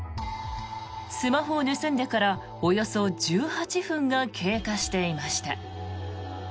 スマホを盗んでからおよそ１８分が経過していました。